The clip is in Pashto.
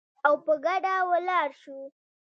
او په ګډه ولاړ شو